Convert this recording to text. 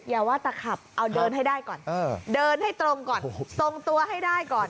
อย่าว่าตะขับเอาเดินให้ได้ก่อนเดินให้ตรงก่อนทรงตัวให้ได้ก่อน